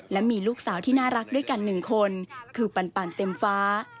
และมีลูกสาวที่น่ารักด้วยกัน๑คนคือปันเต็มฟ้า